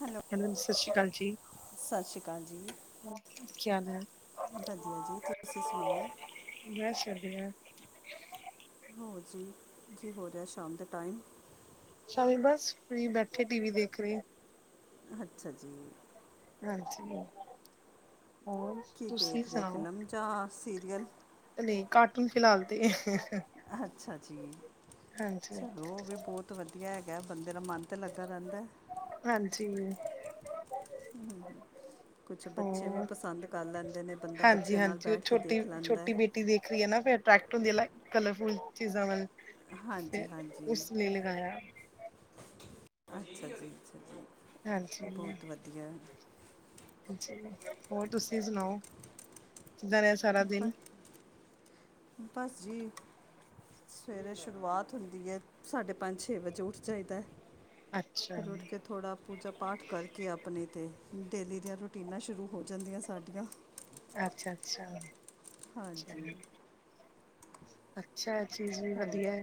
Hello ਹਨ ਸਤਿ ਸ਼੍ਰੀ ਅਕਾਲ ਜੀ ਸਤਿ ਸ਼੍ਰੀ ਅਕਾਲ ਜੀ ਕੀ ਹਾਲ ਹੈ ਵਧੀਆ ਜੀ ਤੁਸੀਂ ਸੁਣਾਓ ਬਸ ਵਧੀਆ ਹੋਰ ਜੀ ਕੀ ਹੋ ਰਿਹਾ ਸ਼ਾਮ ਦੇ ਟਾਈਮ ਸ਼ ਬਸ ਫਰੀ ਬੈਠੇ ਟੀ ਵੀ ਦੇਖ ਰਹੇਆ ਅੱਛਾ ਜੀ ਹਾਂਜੀ ਹੋਰ ਕੀ ਤੁਸੀ ਦੇਖਦੇ ਸੁਣਾਓ ਫਿਲਮ ਜਾਂ ਸੀਰੀਅਲ ਤੇ ਨਹੀਂ ਕਾਰਟੂਨ ਫਿਲਹਾਲ ਤੇ ਅੱਛਾ ਜੀ ਹਾਂਜੀ ਚਲੋ ਉਹ ਵੀ ਬੋਤ ਬੋਤ ਵਧੀਆ ਹੈਗਾ ਬੰਦੇ ਦਾ ਮਨ ਤਾਂ ਲੱਗਦਾ ਰੈਂਦਾ ਹਾਂਜੀ ਹਮ ਹ ਹ ਕੁਛ ਬੱਚੇ ਵੀ ਹੋਰ ਪਸੰਦ ਕਰ ਲੈਂਦੇ ਨੇ ਬੰਦਾ ਹਾਂਜੀ ਬੱਚਿਆਂ ਨਾਲ ਹਾਂਜੀ ਉਹ ਬੈਠ ਕੇ ਛੋਟੀ ਦੇਖ ਲੈਂਦਾ ਛੋਟੀ ਬੇਟੀ ਦੇਖ ਰਹੀ ਨਾ ਅਟਰ੍ਰੈਕਟ ਹੁੰਦੀ ਕਲਰਫੁਲ ਚੀਜ਼ਾਂ ਵ ਫ ਹਾਂਜੀ ਹਾਂਜੀ ਉਸਨ ਲਗਾਇਆ ਅੱਛਾ ਜੀ ਅੱਛਾ ਜੀ ਹਾਂਜੀ ਬੋਤ ਵਧੀਆ ਹੋਰ ਤੁਸੀਂ ਸੁਣਾਓ ਕਿਦਾਂ ਬਸ ਬਸ ਜੀ ਸਵੇਰੇ ਸ਼ੁਰੂਆਤ ਹੁੰਦੀ ਹੈ ਸਾਡੇ ਪੰਜ ਛੇ ਵਜੇ ਉੱਠ ਜਾਈਦਾ ਅੱਛਾ ਫਿਰ ਉੱਠ ਕੇ ਥੋੜਾ ਪੂਜਾ ਪਾਠ ਕਰਕੇ ਕਿ ਆਪਣੇ ਤਾਂ ਡੇਲੀ ਦੀਆਂ ਰੂਟੀਨਾਂ ਸ਼ੁਰੂ ਹੋ ਜਾਂਦੀਆਂ ਸਾਡੀਆਂ ਅੱਛਾ ਅੱਛਾ ਅੱਛਾ ਹਾਂਜੀ ਅੱਛਾ ਐ ਚੀਜ਼ ਵੀ ਹੋਰ ਵਧੀਆ ਹੈ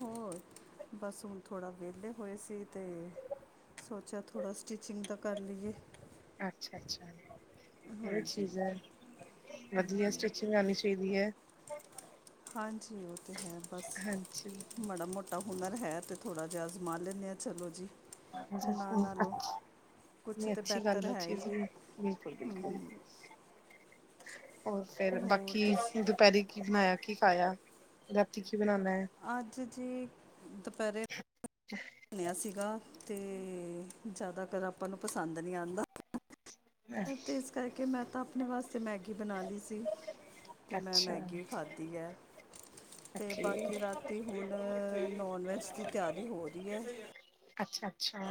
ਹੋਰ ਬਸ ਹੁਣ ਥੋੜਾ ਵਿਹਲੇ ਹੋਏ ਸੀ ਤੇ ਸੋਚਿਆ ਥੋੜਾ ਸਟਿਚਿੰਗ ਦਾ ਕਰ ਲਈਏ ਅੱਛਾ ਅੱਛਾ ਹੋ ਹਾਂਜੀ ਚੀਜ਼ ਹੈ ਵਧੀਆ ਸਟਿਚਿੰਗ ਆਣੀ ਚਾਈਦੀ ਹੈ ਹਾਂਜੀ ਉਹ ਤੇ ਹੈ ਬਸ ਹਾਂਜੀ ਮਾੜਾ ਮੋਟਾ ਤਾਂ ਹੁਨਰ ਹੈ ਤੇ ਥੋੜ੍ਹਾ ਜਿਹਾ ਅਜ਼ਮਾ ਲੈਂਦੇ ਹਾਂ ਚਲੋ ਜੀ ਨਾ ਨਾਲੋਂ ਕੁਛ ਨਹੀਂ ਤੇ ਅੱਛੀ ਗੱਲ ਬਿਹਤਰ ਆ ਅ ਹੈ ਹੀ ਚੀਜ਼ ਹੈ। ਬਿਲਕੁਲ ਬਿਲਕੁਲ ਹੋਰ ਫੇਰ ਹੋਰ ਬਾਕੀ ਤੁਸ ਦੁਪੈਰੀ ਕੀ ਬਣਾਇਆ ਕੀ ਖਾਇਆ ਰਾਤੀ ਕੀ ਬਣਾਉਣਾ ਹੈ ਅੱਜ ਜ ਦੁਪਹਿਰੇ ਬਣਿਆ ਸੀਗਾ ਤੇ ਜ਼ਿਆਦਾਤਰ ਆਪਾਂ ਨੂੰ ਪਸੰਦ ਨਹੀਂ ਆਉਂਦਾ ਹੈ ਅਤੇ ਇਸ ਕਰਕੇ ਮੈਂ ਤਾਂ ਆਪਣੇ ਵਾਸਤੇ ਮੈਗੀ ਬਣਾ ਲਈ ਸੀ ਤੇ ਮੈਂ ਅੱਛਾ ਮੈਗੀ ਖਾਧੀ ਹੈ ਤੇ ਓਕੇ ਬਾਕੀ ਰਾਤੀ ਹੁਣ ਨੋਨ ਵੈਜ ਦੀ ਤਿਆਰੀ ਹੋ ਰਹੀ ਹੈ ਅੱਛਾ ਅੱਛਾ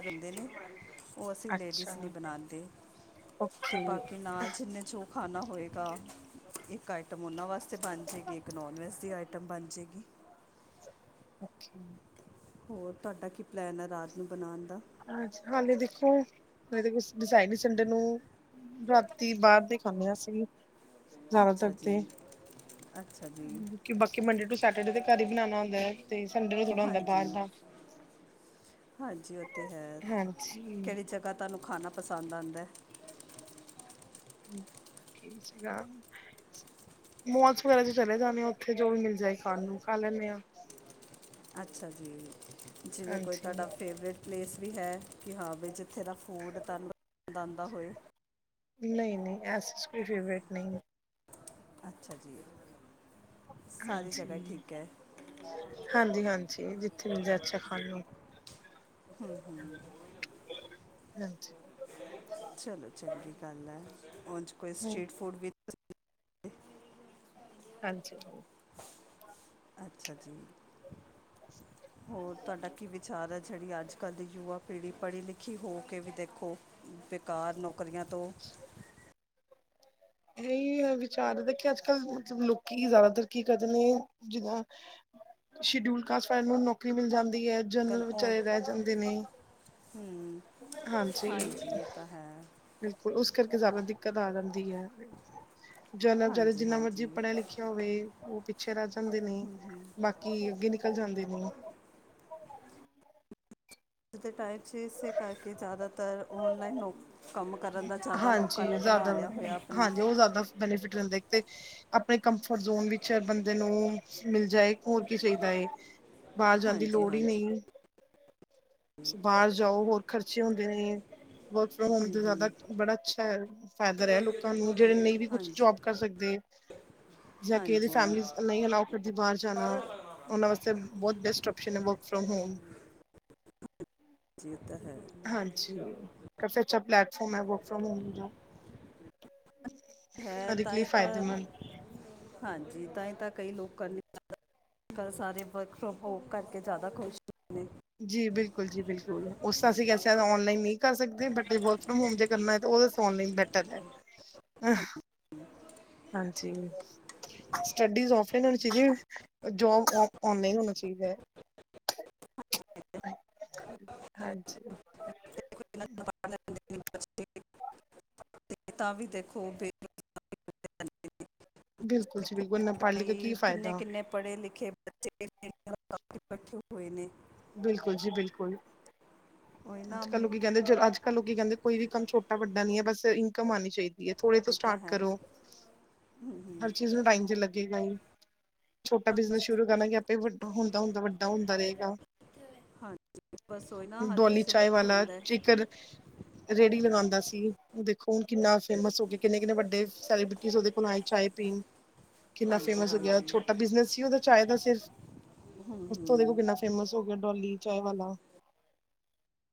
ਰਹਿੰਦੇ ਨੇ ਉਹ ਅਸੀਂ ਲੇਡੀਜ਼ ਨੇ ਹੀਂ ਅੱਛਾ ਬਨਾਤੀ ਅਤੇ ਓਕੇ ਬਾਕੀ ਨਾਲ ਜਿੰਨੇ ਚ ਖਾਨਾ ਹੋਏਗਾ ਇੱਕ ਆਈਟਮ ਉਹਨਾਂ ਵਾਸਤੇ ਬਣ ਜਾਏਗੀ ਇੱਕ ਨੋਨ ਵੈੱਜ ਦੀ ਆਈਟਮ ਬਣ ਜਾਏਗੀ [unintelligible] ਹੋਰ ਤੁਹਾਡਾ ਕੀ ਪਲੈਨ ਆ ਰਾਤ ਨੂੰ ਬਣਾਉਣ ਦਾ ਹਾਂਜੀ ਹਾਲੇ ਦੇਖੋ ਹਜੇ ਕੁਛ ਡਿਸਾਈ ਨੀ ਸੰਡੇ ਨੂੰ ਰਾਤੀ ਬਾਹਰ ਦੇ ਖਾਂਦੇ ਹਾਂ ਸੀ ਜ਼ਦਾ ਤਰ ਅੱਛਾ ਜੀ ਤੇ ਅੱਛਾ ਜੀ ਕਿ ਬਾਕੀ ਮੰਡੇ ਟੂ ਸੈਟਰਡੇ ਦੇ ਘਰ ਹੀ ਬਣਾਉਣਾ ਹੁੰਦਾ ਹੈ। ਤੇ ਸੰਡੇ ਨੂੰ ਥੋੜਾ ਹੁੰਦਾ ਹਾਂਜੀ ਬਾਹਰ ਦਾ ਹਾਂਜੀ ਉਹ ਤੇ ਹੈ ਹਾਂਜੀ ਕਿਹੜੀ ਜਗਾ ਤੁਹਾਨੂੰ ਖਾਣਾ ਪਸੰਦ ਆਦਾ ਹੈ ਠੀ ਸੀਗਾ ਮੋਲਸ ਵਗੈਰਾ ਚ ਚਲੇ ਜਾਣੇ ਆ ਉੱਥੇ ਜੋ ਵੀ ਮਿਲ ਜਾਏ ਖਾਣ ਨੂੰ ਖਾ ਲੈਂਨੇ ਹਾਂ ਅੱਛਾ ਜੀ ਜਿਵੇਂ ਕੋਈ ਹਾਂਜੀ ਤੁਹਾਡਾ ਫੇਵਰੇਟ ਪਲੇਸ ਵੀ ਹੈ ਕਿ ਹਾਂ ਵੀ ਜਿੱਥੇ ਦਾ ਫੂਡ ਤੁਹਾਨੂੰ ਪਨੰਦ ਆਉਂਦਾ ਹੋਏ ਨਈ ਨਈ ਐਸੀ ਕੋਈ ਫੇਵਰੇਟ ਨਈ ਅੱਛਾ ਜੀ ਸਾਰੀ ਹਾਂਜੀ ਜਗ੍ਹਾ ਠੀਕ ਹੈ ਹਾਂਜੀ ਹਾਂਜੀ ਜਿੱਥੇ ਮਿਲ ਜੈ ਅੱਛਾ ਖਾਨ ਨੂੰ [unintelligible] ਹਾਂਜੀ ਚਲੋ ਚੰਗੀ ਗੱਲ ਹੈ ਹੁਣ ਉਂਜ ਕੋਈ ਹਮ ਸਟ੍ਰਰੀਟ ਫੂਡ ਵਿੱ ਹਾਂਜੀ ਅੱਛਾ ਜੀ ਹੋਰ ਤੁਹਾਡਾ ਕਿਵੇ ਵਿਚਾਰ ਜਿਹੜੀ ਅੱਜ ਕੱਲ੍ਹ ਦੀ ਯੁਵਾ ਪੀੜ੍ਹੀ ਪੜ੍ਹੀ ਲਿਖੀ ਹੋ ਕੇ ਵੀ ਦੇਖੋ ਬੇਕਾਰ ਨੌਕਰੀਆਂ ਤੋਂ [inaudible] ਇਹੀ ਹੈ ਵਿਚਾਰ ਦੇ ਕਿ ਅੱਜ ਕੱਲ ਮਤਲਬ ਲੋਕੀ ਜ਼ਿਆਦਾਤਰ ਕੀ ਕਰ ਨੇ ਜਿੱਦਾਂ ਸ਼ਡਿਊਲ ਕਾਸਟ ਫ ਨੂੰ ਨੌਕਰੀ ਮਿਲ ਜਾਂਦੀ ਹੈ ਕੱਲ ਜਨਰਲ ਔ ਵਿਚਾਰੇ ਰਹਿ ਜਾਂਦੇ ਨੇ ਹਾਂਜੀ ਇਹ ਤਾਂ ਹੈ ਬਿਲਕੁਲ ਉਸ ਕਰਕੇ ਜ਼ਿਆਦਾ ਦਿੱਕਤ ਆ ਜਾਂਦੀ ਹੈ। ਜਰਨਲ ਵਿਚਾਰੇ ਹਾਂਜੀ ਜਿੰਨਾ ਮਰਜੀ ਹਾਂਜੀ ਪੜ੍ਹਿਆ ਲਿਖਿਆ ਹੋਵੇ ਉਹ ਪਿੱਛੇ ਰਹਿ ਜਾਂਦੇ ਨੇ ਬਾਕੀ ਕੀ ਅੱਗੇ ਨਿਕਲ ਜਾਂਦੇ ਨੇ ਅੱਜ ਦੇ ਟਾਈਮ 'ਚ ਇਸੇ ਕਰਕੇ ਜ਼ਿਆਦਾਤਰ ਔਨਲਾਈਨ ਹੋ ਹਾਂਜੀ ਜ਼ਿਆਦਾ ਲਿਆ ਹੋਇਆ ਆਪਣਾ ਹਾਂਜੀ ਉਹ ਜ਼ਿਆਦਾ ਬੈਨੀਫਿਟ ਰਹਿੰਦਾ ਇੱਕ ਤੇ ਆਪਣੇ ਕੰਫਰਟ ਜ਼ੋਨ ਵਿੱਚ ਬੰਦੇ ਨੂੰ ਮਿਲ ਜਾਏ ਹੋਰ ਕੀ ਚਾਹੀਦਾ ਹੈ ਬਾਹਰ ਜਾਣ ਦੀ ਹਾਂਜੀ ਲੋੜ ਹੀ ਹਾਂਜੀ ਨਈ ਏ। ਬਾਹਰ ਜਾਓ ਹੋਰ ਖਰਚੇ ਹੁੰਦੇ ਨੇ, ਵਰਕ ਫਰੋਮ ਹੋਮ ਤੇ ਜ਼ਿਆਦਾ, ਬੜਾ ਅੱਛਾ ਹੈ ਫਾਇਦਾ ਰਿਹਾ ਲੋਕਾਂ ਨੂੰ, ਜਿਹੜੇ ਨਈ ਵੀ ਕੁਛ ਹਾਂਜੀ ਜੋਬ ਕਰ ਸਕਦੇ ਜਾਂ ਕਿਸੇ ਦੀ ਹਾਂਜੀ ਫੈਮਲੀ ਨਈ ਅਲਾਓ ਕਰਦੀ ਬਾਹਰ ਜਾਣਾ, ਉਹਨਾਂ ਵਾਸਤੇ ਬਹੁਤ ਬੈਸਟ ਓਪਸ਼ਨ ਹੈ, ਵਰਕ ਫਰੋਮ ਹੋਮ। ਜੀ, ਇਹ ਤਾ ਹੈ। ਹਾਂਜੀ, ਕਾਫੀ ਅੱਛਾ ਪਲੈਟਫਾਰਮ ਹੈ ਵਰਕ ਫੋਮ ਹੋਮ ਹੈ ਹਰ ਇੱਕ ਤਾਂ ਲਈ ਹੀ ਤਾਂ, ਫਾਇਦੇਮੰਦ ਹਾਂਜੀ, ਤਾਂ ਹੀ ਤਾਂ ਕਈ ਲੋਕ ਕਰਨੀ ਕਲ ਸਾਰੇ ਵਰਕ ਫਰੋਮ ਹੋਮ ਕਰਕੇ, ਜ਼ਿਆਦਾ ਖੁਸ਼ [inaudible] ਜੀ ਬਿਲਕੁਲ ਜੀ ਬਿਲਕੁਲ, ਉਸਦਾ ਅਸੀਂ ਔਨਲਾਈਨ ਨਈ ਕਰ ਸਕਦੇ ਬਟ ਵ ਫਰੋਮ ਹੋਮ ਜੇ ਕਰਨਾ, ਤਾਂ ਉਹ ਆਨਲਾਈਨ ਬੈਟਰ ਹੈ। ਹਾਂਜੀ ਸਟੱਡੀਜ਼ ਔਫਲਾਈਨ ਹੋਣੀ ਚਾਹੀਦੀ, ਜੋਬ ਓਨਲਾਈਨ ਹੋਣਾ ਚਾਹੀਦਾ ਹੈ। [inaudible] ਹਾਂਜੀ। [inaudible] [inaudible] ਤਾਂ ਵੀ, ਦੇਖੋ ਬੇ ਬਿਲਕੁਲ ਜੀ ਬਿਲਕੁਲ, ਏਨਾ ਪਾੜ ਲਿਖ ਕੇ ਕੀ ਬੇਰੋਜ਼ਗਾਰੀ ਕਿੰਨੇ ਫਾਇਦਾ। ਕਿੰਨੇ ਪੜ੍ਹੇ ਲਿਖੇ ਬੱਚੇ [unintelligible] ਬੈਠੇ ਹੋਏ ਨੇ। ਬਿਲਕੁਲ ਜੀ ਬਿਲਕੁਲ। ਉਹੀ ਨਾ ਅੱਜ ਕੱਲ ਲੋਕੀ ਕਹਿੰਦੇ, ਜ ਅੱਜ ਕੱਲ ਲੋਕੀ ਕਹਿੰਦੇ, ਕੋਈ ਵੀ ਕੰਮ ਛੋਟਾ ਵੱਡਾ ਨੀ ਹੈ, ਬਸ ਇਨਕਮ ਆਣੀ ਚਾਹੀਦੀ। [unintelligible] ਥੋੜੇ ਤੋਂ ਇਹ ਤਾਂ ਸਟਾਰਟ ਹੈ ਕਰੋ, ਹਰ ਚੀਜ਼ ਨੂੰ ਟਾਈਮ ਤੇ ਲੱਗੇਗਾ ਹੀ। ਛੋਟਾ ਬਿਜਨਸ ਸ਼ੁਰੂ ਕਰਨਾਗੇ, ਆਪੇ ਵੱਡਾ ਹੁੰਦਾ ਹੁੰਦਾ, ਵੱਡਾ ਹੁੰਦਾ ਰਹੇਗਾ। ਹਾਂਜੀ, ਬਸ ਔਈ ਨਾ ਹਰ ਡੋਲੀ ਕਿਸੇ ਨੂੰ ਇਹ ਵਾਲਾ ਹੁੰਦਾ ਹੈ ਚਾਏ ਰੇੜੀ ਲਗਾਉਂਦਾ ਸੀ, ਦੇਖੋ ਹੁਣ ਕਿੰਨਾ ਫੇਮਸ ਹੋ ਗਏ, ਕਿੰਨੇ ਕਿੰਨੇ ਵੱਡੇ ਸੈਲੀਬ੍ਰਿਟੀ ਉਹਦੇ ਕੋਲ ਆਏ ਚਾਏ [unintelligible] ਕਿੰਨਾ ਹਾਂਜੀ ਫੇਮਸ ਹੋ ਗਿਆ, ਹਾਂਜੀ ਛੋਟਾ ਬਿਜਨਸ ਸੀ ਉਹਦਾ ਚਾਏ ਦਾ ਸਿਰਫ, ਉਸ ਤੋਂ ਦੇਖੋ ਕਿੰਨਾ ਫੇਮਸ ਹੋ ਗਿਆ, ਡੋਲੀ ਚਾਏ ਵਾ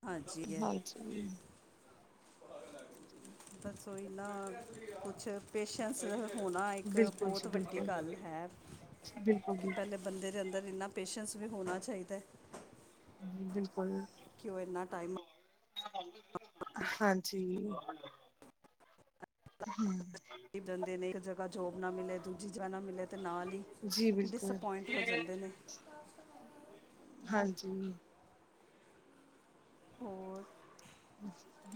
ਹਾਂਜੀ ਹਾਂਜੀ [unintelligible] ਬਸ ਉਈ ਨਾ, ਕੁੱਛ ਪੇਸ਼ੈਂਸ ਹੋਣਾ ਇੱਕ ਬਿਲਕੁਲ ਬਹੁਤ ਜੀ ਵੱਡੀ ਬਿਲਕੁਲ ਗੱਲ ਹੈ, ਬਿਲਕੁਲ ਕਿ ਪਹਿਲੇ ਬੰਦੇ ਦੇ ਅੰਦਰ, ਇੰਨਾ ਪੇਸ਼ੈਂਸ ਵੀ ਹੋਣਾ ਚਾਹੀਦਾ। ਹਾਂਜੀ, ਬਿਲਕੁਲ। ਕਿ, ਉਹ ਇੰਨਾ ਟਾਈਮ ਹਾਂਜੀ। ਹਮ। ਜਂਦੇ ਨੇ ਇੱਕ ਜਗ੍ਹਾ ਜੋਬ ਨਾ ਮਿਲੇ, ਦੂਜੀ ਜਗ੍ਹਾ ਨਾ ਮਿਲੇ, ਤੇ ਨਾਲ ਹੀ ਜੀ ਬਿਲਕੁਲ ਡਿਸਅਪੁਇੰਟ ਹੋ ਜਾਂਦੇ ਨੇ, ਹ ਹਾਂਜੀ ਹੋਰ,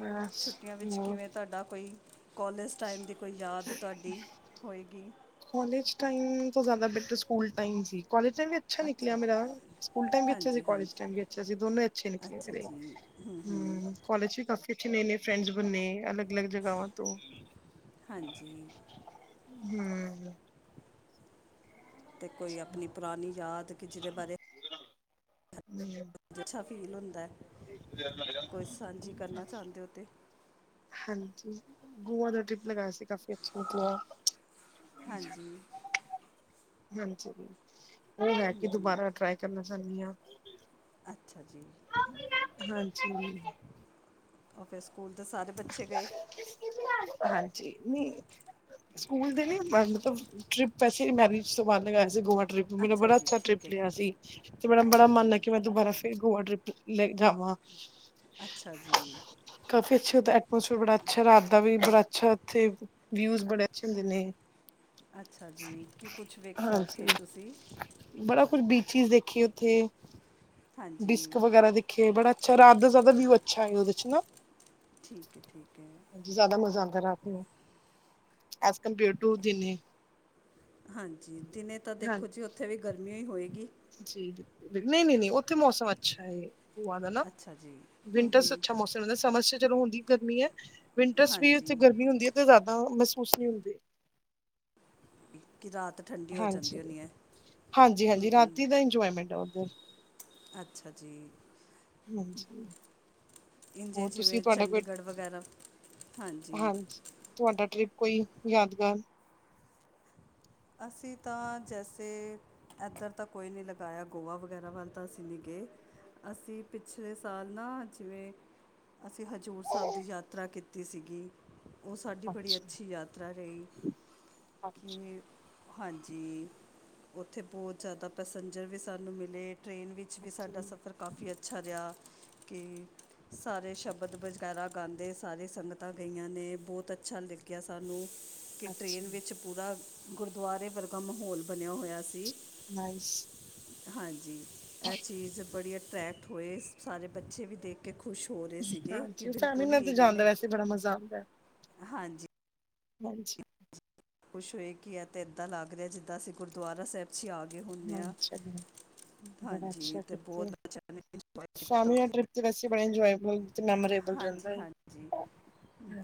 ਬਸ ਛੁੱਟੀਆਂ ਵਿੱਚ ਹੋਰ ਕਿਵੇਂ ਤੁਹਾਡਾ ਕੋਈ? ਕੋਲੇਜ਼ ਟਾਈਮ ਦੀ ਕੋਈ ਯਾਦ, ਤੁਹਾਡੀ ਹੋਏਗੀ ਕੋਲੇਜ ਟਾਈਮ ਤੋਂ ਜ਼ਿਆਦਾ ਬੈਟਰ, ਸਕੂਲ ਟਾਈਮ ਸੀ, ਕੋਲੇਜ ਟਾਈਮ ਅੱਛਾ ਨਿਕਲਆ ਮੇਰਾ, ਸਕੂਲ ਟਾਈਮ ਵੀ ਅੱਛਾ ਸੀ, ਹਾਂਜੀ ਕੋਲੇਜ ਟਾਈਮ ਵੀ ਅੱਛਾ ਸੀ ਦੋਨੋਂ ਹੀ ਅੱਛੇ ਨਿਕਲੇ ਮੇਰੇ। ਹਮ ਹਮ ਹਮ ਕੋਲੇਜ ਚ ਵੀ ਕਾਫੀ ਅੱਛੇ ਨਏ ਨਏ ਫਰੈਂਡਸ ਬਣੇ ਅਲੱਗ ਅਲੱਗ ਜਗਾਵਾਂ ਤੋਂ ਹਾਂਜੀ ਹਮ ਤੇ ਕੋਈ ਆਪਣੀ ਪੁਰਾਣੀ ਯਾਦ ਕਿ ਜਿਹਦੇ ਬਾਰੇ ਨਈ ਹੈ ਤੇ ਅੱਛਾ ਫੀਲ ਹੋਦੈ ਕੋਈ ਸਾਂਝੀ ਕਰਨਾ ਚਾਹੁੰਦੇ ਹੋ ਤੇ ਹਾਂਜੀ ਗੋਆ ਦਾ ਟ੍ਰਿਪ ਲਗਾਇਆ ਸੀ ਕਾਫੀ ਅੱਛਾ ਗਿਆ ਹਾਂਜੀ ਹਾਂਜੀ ਉਹ ਹੈ ਕਿ ਦੁਬਾਰਾ ਟਰਾਈ ਕਰਨਾ ਚਾਂਦੀ ਹਾਂ। ਅੱਛਾ ਜੀ ਹਾਂਜੀ ਉਹ ਫੇਰ ਸਕੂਲ ਦੇ ਸਾਰੇ ਬੱਚੇ ਗਏ [inaudible] ਹਾਂਜੀ ਨੀ ਸਕੂਲ ਦੇ ਨੀ ਮ ਮਤਲਬ ਟ੍ਰਿਪ ਵੈਸੇ ਮੈਰਿਜ ਤੋਂ ਬਾਅਦ ਲਗਾਇਆ ਸੀ ਗੋਆ ਟ੍ਰਿਪ ਤੇ ਮੇਰਾ ਬੜਾ ਜੀ ਅੱਛਾ ਠੀਕ ਟ੍ਰਿਪ ਹੈ ਜੀ ਲਿਆ ਸੀ ਤੇ ਮੇਰਾ ਅੱਛਾ ਬੜਾ ਜੀ ਮੰਨ ਹੈ ਕਿ ਮੈ ਦੁਬਾਰਾ ਫਿਰ ਗੋਆ ਟ੍ਰਿਪ ਲੈਣ ਜਾਵਾਂ ਅੱਛਾ ਜੀ ਕਫੀ ਅੱਛਾ ਦਾ ਐਕ ਮੌਸਮ ਬੜਾ ਅੱਛਾ ਰਾਤ ਦਾ ਵੀ ਬੜਾ ਅੱਛਾ ਉੱਥੇ ਵਿਊਜ਼ ਬੜੇ ਅੱਛੇ ਹੁੰਦੇ ਨੇ ਅੱਛਾ ਜੀ ਕੀ ਕੁੱਛ ਵੇਖਿਆ ਹਾਂਜੀ ਉੱਥੇ ਤੁਸੀਂ ਬੜਾ ਕੁੱਛ ਬੀਚਿਸ ਦੇਖੇ ਉੱਥੇ ਡਿਸਕ ਹਾਂਜੀ ਵਗੈਰਾ ਦੇਖੀ ਕੇ ਬੜਾ ਅੱਛਾ ਰਾਤ ਦਾ ਜਿਆਦਾ ਵਿਊ ਅੱਛਾ ਐ ਓਦੇ ਚ ਨਾ। ਠੀਕ ਐ, ਠੀਕ ਐ। ਜਾ਼ਦਾ ਮਜ਼ਾ ਆਂਦੈ ਰਾਤ ਨੂੰ, ਐਜ਼ ਕੰਪੇਅਰ ਟੂ ਦਿਨੇ। ਹਾਂਜੀ, ਦਿਨੇ ਤਾਂ ਦੇਖੋ ਜੀ ਓਥੇ ਵੀ ਗਰਮੀ ਈ ਹੋਏਗੀ। ਜੀ, ਨਹੀਂ, ਨਹੀਂ, ਨਹੀਂ ਓਥੇ ਮੌਸਮ ਅੱਛਾ ਐ। ਗੋਆ ਦਾ ਨਾ ਅੱਛਾ ਜੀ ਵਿੰਟਰਸ ਅੱਛਾ ਮੌਸਮ ਰਹਿੰਦਾ, ਸਮਰਸ ਚ ਚਲੋ ਦਿੱਕਤ ਨਹੀਂ ਐ। ਵਿੰਟਰਸ ਵੀ ਹਾਂਜੀ ਉੱਥੇ ਗਰਮੀ ਹੁੰਦੀ ਐ, ਤੇ ਜਾ਼ਦਾ ਮਹਸੂਸ ਨੀ ਹੁੰਦੀ। ਕਿ ਰਾਤ ਠੰਡੀ ਹੋ ਜਾਂਦੀ ਹਾਂਜੀ, ਹੋਣੀ ਹੈ ਹਾਂਜੀ, ਹਾਂਜੀ ਰਾਤੀ ਦਾ ਇੰਜੋਏਮੈਂਟ ਆ ਓਧੱਰ। ਅੱਛਾ ਜੀ। ਇੰਜੇ ਹੋਰ ਜਿਵੇਂ ਤੁਸੀਂ ਤੁਹਾਡਾ ਕੋਈ ਚੰਡੀਗੜ ਵਗੈਰਾ। ਹਾਂਜੀ, ਤੁਆਡਾ ਟ੍ਰਿਪ ਕੋਈ ਯਾਦਗਾਰ? ਅਸੀ ਤਾਂ ਜੈਸੇ ਐਦਰ ਤਾਂ ਕੋਈ ਨੀ ਲਗਾਇਆ, ਗੋਆ ਵਗੈਰਾ ਵੱਲ ਤਾਂ ਅਸੀਂ ਨੀ ਗਏ। ਅਸੀ ਪਿਛਲੇ ਸਾਲ ਨਾ ਜਿਵੇਂ ਅਸੀ ਹਜੂਰ ਸ੍ਹਾਬ ਦੀ ਯਾਤਰਾ ਕੀਤੀ ਸੀਗੀ। ਉਹ ਸਾਡੀ ਬੜੀ ਅੱਛਾ ਅੱਛੀ ਯਾਤਰਾ ਰਹੀ, ਅੱਛਾ ਕਿ ਹਾਂਜੀ, ਓਥੇ ਬੋਤ ਜਾਦਾ ਪੈਸੇਂਜਰ ਵੀ ਸਾਨੂੰ ਮਿਲੇ, ਟ੍ਰੇਨ ਵੀ ਵਿਚੱ ਵੀ ਓਕੇ ਸਾਡਾ ਸਫ਼ਰ ਕਾਫੀ ਅੱਛਾ ਰਿਆ, ਕਿ ਸਾਰੇ ਸ਼ਬਦ ਵਗੈਰਾ ਗਾਂਦੇ ਸਾਰੇ ਸੰਗਤਾਂ ਗਈਆਂ ਨੇ, ਬੋਤ ਅੱਛਾ ਲਗਿਆ ਸਾਨੂੰ। ਕਿ ਅੱਛਾ ਟ੍ਰੇਨ ਵਿੱਚ ਪੂਰਾ ਗੁਰਦੁਆਰੇ ਵਰਗਾ ਮਾਹੌਲ ਬਨਿਆ ਹੋਏਆ ਸੀ। ਨਾਈਸ। ਹਾਂਜੀ, ਐ ਚੀਜ ਬੜੀ ਅਟਰੈਕਟ ਹੋਏ ਸਾਰੇ ਬੱਚੇ ਵੀ ਦੇਖ ਕੇ ਖੁਸ਼ ਹੋ ਰੇ ਸੀਗੇ ਕਿ ਹਾਂਜੀ ਫੈਮਿਲੀ ਬਿਲਕੁਲ ਨਾਲ ਹੀ ਤੇ ਇਨਾਂ ਜਾਣ ਦਾ ਨੇ, ਵੈਸੇ ਬੜਾ ਮਜ਼ਾ ਆਉਂਦਾ ਹੈ। ਹਾਂਜੀ। ਹਾਂਜੀ। ਖੁਸ਼ ਹੋਏ ਕਿ ਐ ਤੇ ਏਂਦਾੱ ਲੱਗ ਰੇਆ ਜਿੱਦਾ ਅਸੀ ਗੁਰਦੁਆਰਾ ਸ੍ਹੇਬ ਜੀ ਆ ਗਏ ਹੁੰਨੇ ਹਾਂ ਆਂ। ਚਲੋ ਬੜਾ ਅੱਛਾ ਫਿਰ [unintelligible] ਐ ਤੇ ਵੈਸੇ ਬੜਾ ਇੰਜੋਏਬਲ ਤੇ ਮੈਮਰੇ ਹਾਂਜੀ, ਹਾਂਜੀ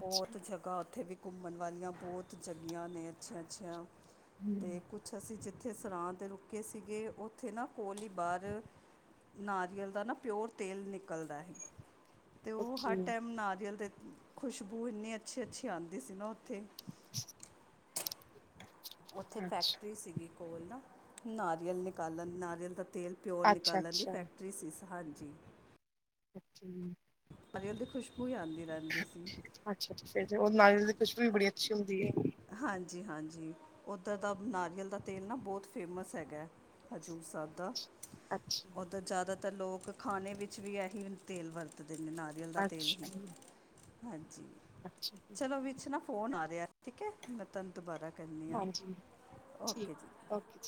ਬੋ ਤ ਜ ਕਾ ਓਥੇ ਵੀ ਘੁੰਮਣ ਵਾਲੀਆਂ ਬੋਤ ਜਗੀਆਂ ਨੇ ਅੱਛੀਆਂ, ਅੱਛੀਆਂ ਤੇ ਕੁਛ ਅੱਛਾ ਅਸੀ ਜਿੱਥੇ ਸਰਾਂ ਤੇ ਰੁਕੇ ਸੀਗੇ, ਓਥੇ ਨਾ ਕੋਲ ਈ ਬਾਰ ਨਾਰੀਅਲ ਦਾ ਨਾ ਪੇਓਰ ਤੇਲ ਨਿਕਲਦਾ ਐ ਤੇ ਓ ਹਰ ਓਕੇ ਟੈਮ ਨਾਰੀਅਲ ਦੇ ਖੁਸ਼ਬੂ ਇੰਨੀ ਅੱਛੀ, ਅੱਛੀ ਆਂਦੀ ਸੀ ਨਾ ਓਥੇ। [inaudible] ਓਥੇ ਅੱਛਾ ਫੈਕਟਰੀ ਸੀਗੀ ਕੋਲ ਨਾ, ਨਾਰੀਅਲ ਨਿਕਾਲਨ, ਨਾਰੀਅਲ ਦਾ ਤੇਲ ਪੇਓਰ ਨਿਕਾਲਨ ਦੀ ਅੱਛਾ-ਅੱਛਾ, ਫੈਕਟਰੀ ਸੀਸ ਹਾਂਜੀ। [unintelligible] ਨਾਰੀਅਲ ਦੀ ਖੁਸ਼ਬੂ ਈ ਆਂਦੀ ਰੈਂਦੀ ਸੀ। ਅੱਛਾ, ਅੱਛਾ ਫੇਰ ਓ ਨਾਰੀਅਲ ਦੀ ਖੁਸ਼ਬੂ ਵੀ ਬੜੀ ਅੱਛੀ ਹੁੰਦੀ ਏ। ਹਾਂਜੀ, ਹਾਂਜੀ ਓਧੱਰ ਦਾ ਨਾਰੀਅਲ ਦਾ ਤੇਲ ਨਾ ਬੋਤ ਫੇਮਸ ਹੈਗਾ। ਹਜੂਰ ਸ੍ਹਾਬ ਦਾ। ਅੱਛਾ, ਓਧੱਰ ਜਾਦਾਤਰ ਲੋਕ ਖਾਨੇ ਵਿੱਚ ਵੀ ਏਹੀ ਤੇਲ ਵਰਤਦੇ ਨੇ ਨਾਰੀ ਅਲ ਦਾ ਤੇਲ ਹੀ, ਅੱਛਾ, ਹਾਂਜੀ। ਅੱਛਾ ਜੀ। ਚਲੋ ਵਿੱਚ ਨਾ ਫੋਨ ਆ ਰੇਆ, ਠੀਕੈ, ਮੈਂ ਤਾੋਨੂੰ ਦੁਬਾਰਾ ਕਰਨੀ ਆ, ਹਾਂਜੀ ਓਕੇ ਜੀ। ਠੀਕ ਓਕੇ ਜੀ।